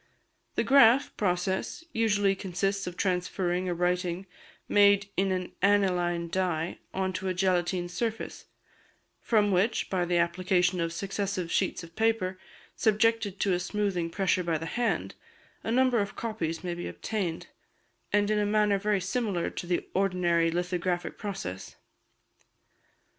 The "graph" process usually consists of transferring a writing made in an aniline dye on to a gelatine surface, from which, by the application of successive sheets of paper, subjected to a smoothing pressure by the hand, a number of copies may be obtained, in a manner very similar to the ordinary lithographic process.